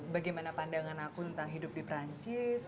bagaimana pandangan aku tentang hidup di perancis